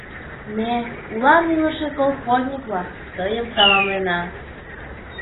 Ме, улан илыше колхозник-влак, тыйым саламлена.